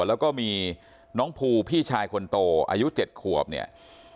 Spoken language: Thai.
แล้วก็มีน้องภูพี่ชายคนโตอายุ๗ขวบเนี่ย